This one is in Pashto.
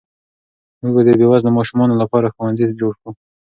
موږ به د بې وزلو ماشومانو لپاره ښوونځي جوړ کړو.